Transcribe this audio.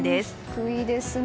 低いですね。